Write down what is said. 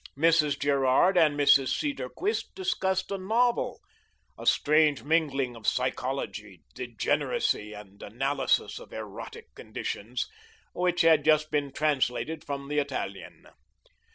Mrs. Gerard and Mrs. Cedarquist discussed a novel a strange mingling of psychology, degeneracy, and analysis of erotic conditions which had just been translated from the Italian.